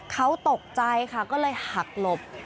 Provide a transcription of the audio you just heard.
เขาตกใจค่ะก็เลยหักหลบ